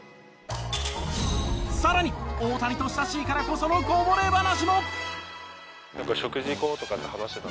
更に大谷と親しいからこそのこぼれ話も。